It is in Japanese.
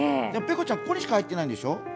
でもペコちゃん、ここにしか入ってないんでしょう？